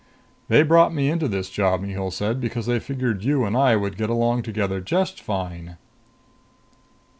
"They brought me into this job," Mihul said, "because they figured you and I would get along together just fine."